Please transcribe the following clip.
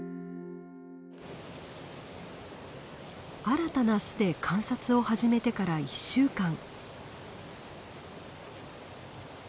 新たな巣で観察を始めてから１週間。